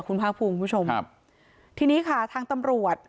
ขอบคุณคุณผ้างพูกคุณผู้ชมครับทีนี้ค่ะทางตำลวจ